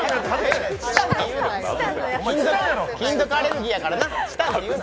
金属アレルギーやからな。